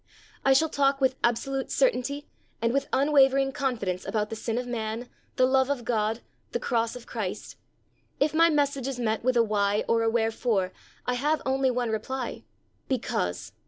I shall talk with absolute certainty, and with unwavering confidence, about the sin of man, the love of God, the Cross of Christ. If my message is met with a 'why' or a 'wherefore,' I have only one reply '_Because!